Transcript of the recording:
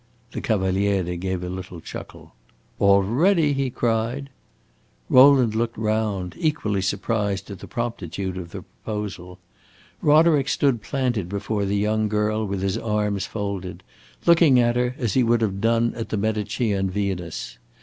The Cavaliere gave a little chuckle. "Already?" he cried. Rowland looked round, equally surprised at the promptitude of the proposal. Roderick stood planted before the young girl with his arms folded, looking at her as he would have done at the Medicean Venus.